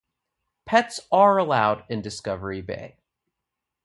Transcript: Pets are allowed in Discovery Bay.